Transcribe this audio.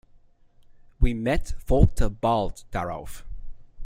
Ouimet folgte bald darauf.